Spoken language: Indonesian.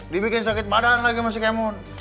dibikin sakit badan lagi sama si kemut